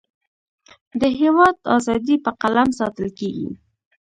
د هیواد اذادی په قلم ساتلکیږی